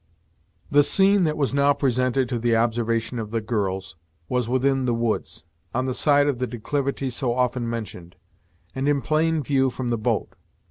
The scene that was now presented to the observation of the girls was within the woods, on the side of the declivity so often mentioned, and in plain view from the boat.